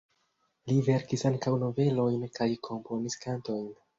Li verkis ankaŭ novelojn kaj komponis kantojn.